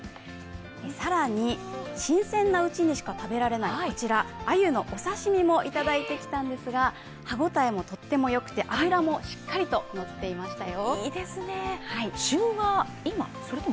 更に新鮮なうちにしか食べられないこちら、鮎のお刺身もいただいてきたんですが歯応えもとってもよくて脂もしっかりとのっていましたよ。